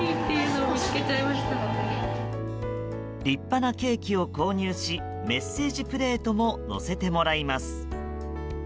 立派なケーキを購入しメッセージプレートものせてもらいます。